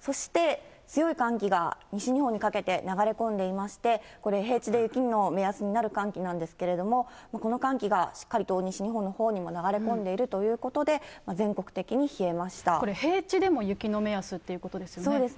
そして強い寒気が西日本にかけて流れ込んでいまして、これ、平地で雪の目安になる寒気なんですけれども、この寒気がしっかりと西日本のほうにも流れ込んでいるということこれ、平地でも雪の目安ってことですよね。